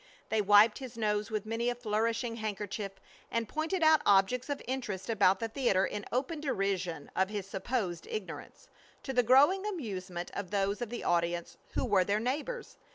They wiped his nose with many a flourishing handkerchief, and pointed out objects of interest about the theater in open derision of his supposed ignorance, to the growing amusement of those of the audience who were their neighbors.